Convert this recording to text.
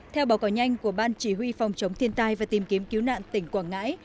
theo báo cáo nhanh của ban chỉ huy phòng chống thiên tai và tìm kiếm cứu nạn tỉnh quảng ngãi